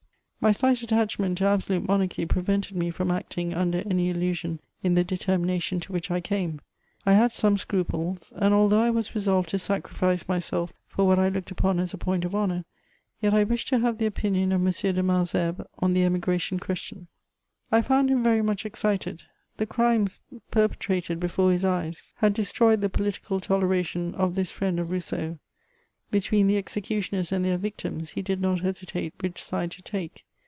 My slight attachment to absolute mo narchy prevented me from acting under any illusion in the deter mination to which I came ; I had some scruples ; and although I was resolved to sacrifice myself for what I looked upon as a point of honour, yet I wished to have the opinion of M. de Malesherbes on the emigration question. I found him very much excited : the criities perpetrated before his eyes had de^ stroyed the political toleration of this friend of Rousseau ; be tween the executioners and their victims he did not hesitate which side to take.